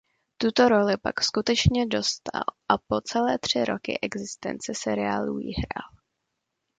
Tuto roli pak skutečně dostal a po celé tři roky existence seriálu ji hrál.